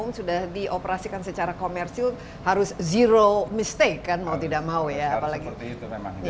yang sudah dioperasikan secara komersil harus zero mistake kan mau tidak mau ya apalagi